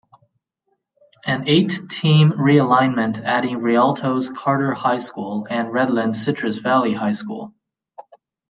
An eight-team realignment adding Rialto's Carter High School, and Redlands Citrus Valley High School.